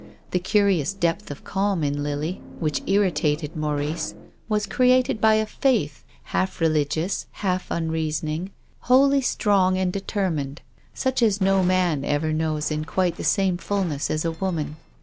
The curious depth of calm in Lily which ini 240 TONGUES OF CONSCIENCE. tated Maurice was created by a faith, half relig ious, half unreasoning, wholly strong and de termined, such as no man ever knows in quite the same fulness as a woman.